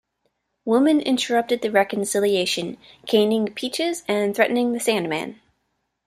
Woman interrupted the reconciliation, caning Peaches and threatening The Sandman.